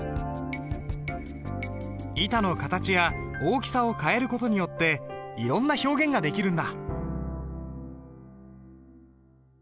板の形や大きさを変える事によっていろんな表現ができるんだ。